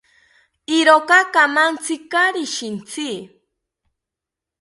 Iroka kamantzi kaari shintzi